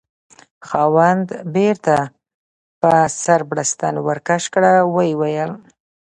خاوند: بیرته په سر بړستن ورکش کړه، ویې ویل: